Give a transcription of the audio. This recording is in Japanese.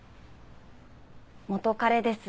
元カレです。